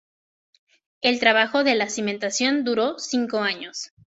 El trabajo de la cimentación duró cinco años.